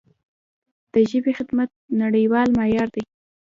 د ژبې خدمت نړیوال معیار دی.